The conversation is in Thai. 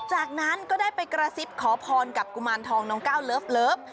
จากนั้นก็ได้ไปกระซิบขอพรกับกุมารทองน้องก้าวเลิฟ